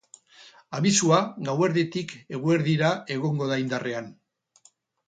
Abisua gauerditik eguerdira egongo da indarrean.